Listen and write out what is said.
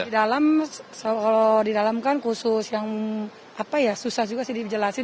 kalau di dalam kan khusus yang susah juga sih dijelasin